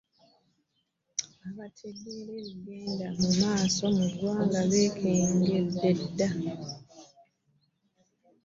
abategeera ebigenda mu maaso mu ggwanga beekengedde dda.